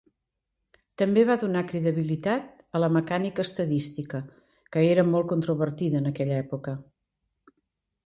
També va donar credibilitat a la mecànica estadística, que era molt controvertida en aquella època.